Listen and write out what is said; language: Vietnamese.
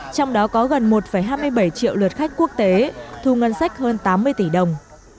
trong đó có gần một hai mươi bảy triệu lượt khách quốc tế thu ngân sách hơn tám mươi tỷ đồng